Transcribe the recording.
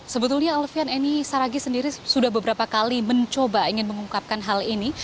sebetulnya alfian eni saragi sendiri sudah beberapa kali mencoba ingin mengungkapkan hal ini